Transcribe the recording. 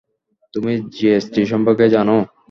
তুমি জিএসটি সম্পর্কে জানো?